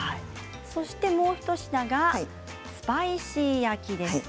そして、もう一品がスパイシー焼きです。